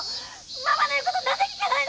ママの言うこと何で聞けないの！